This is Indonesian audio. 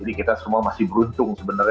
jadi kita semua masih beruncung sebenarnya